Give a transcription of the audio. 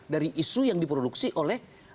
dari isu yang diproduksi oleh